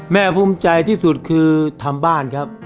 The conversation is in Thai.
ภูมิใจที่สุดคือทำบ้านครับ